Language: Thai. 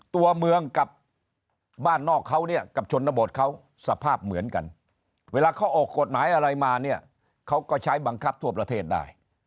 ตัวเมืองกับบ้านนอกเขาเนี่ยกับชนบทเขาสภาพเหมือนกันเวลาเขาออกกฎหมายอะไรมาเนี่ยเขาก็ใช้บังคับทั่วประเทศได้